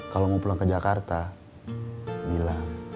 kalau mau pulang ke jakarta bilang